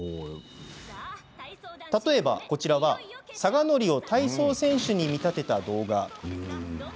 例えば、こちらは佐賀のりを体操選手に見立てた動画。